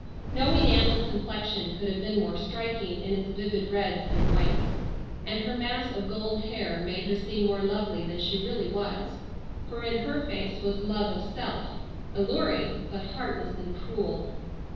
No enameled complexion could have been more striking in its vivid reds and whites, and her mass of gold hair made her seem more lovely than she really was, for in her face was love of self, alluring, but heartless and cruel.